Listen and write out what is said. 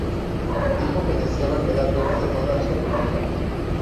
Dijo que deseaba quedar lejos de toda vida pública.